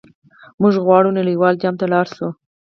موږ غواړو نړیوال جام ته لاړ شو.